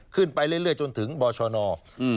ขึ้นไปเรื่อยจนถึงบชน